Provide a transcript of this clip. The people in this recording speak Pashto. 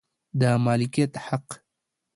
د مالکیت حق